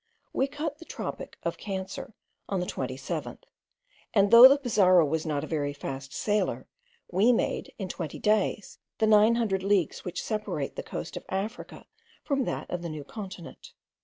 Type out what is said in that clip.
We cut the tropic of Cancer on the 27th; and though the Pizarro was not a very fast sailer, we made, in twenty days, the nine hundred leagues, which separate the coast of Africa from that of the New Continent.